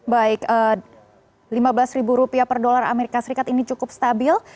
baik lima belas rupiah per dolar as ini cukup stabil